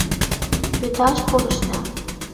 Вӱташ пурышна.